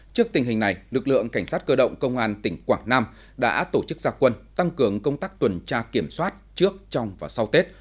trước tình hình này lực lượng cảnh sát cơ động công an tỉnh quảng nam đã tổ chức gia quân tăng cường công tác tuần tra kiểm soát trước trong và sau tết